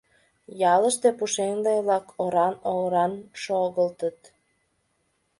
Ялыште пушеҥге-влак оран-оран шогылтыт.